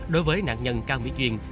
đối với nạn nhân cao mỹ duyên